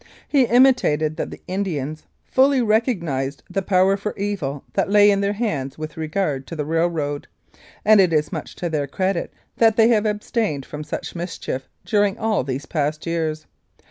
He intimated that the Indians fully recog nised the power for evil that lay in their hands with regard to the railroad, and it is much to their credit that they have abstained from such mischief during all these past years.